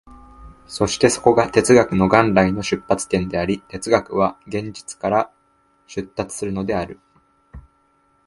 そしてそこが哲学の元来の出発点であり、哲学は現実から出立するのである。